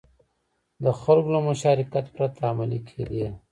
د خلکو له مشارکت پرته عملي کېدې.